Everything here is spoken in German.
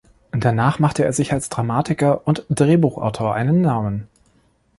Danach machte er sich als Dramatiker und Drehbuchautor einen Namen.